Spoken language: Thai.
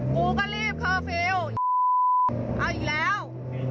กูก็รีบเคอร์ฟิลล์เอาอีกแล้ว